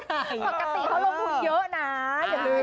ปกติเขาลงทุนเยอะนะอย่าลืม